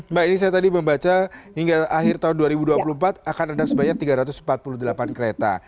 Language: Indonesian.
mbak ini saya tadi membaca hingga akhir tahun dua ribu dua puluh empat akan ada sebanyak tiga ratus empat puluh delapan kereta